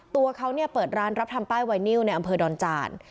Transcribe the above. ตัวเขาเนี่ยเปิดร้านรับทำป้ายไวนิวในอำเภอดอนจาน